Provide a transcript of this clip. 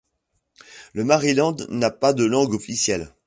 Le Maryland n'a pas de langue officielle.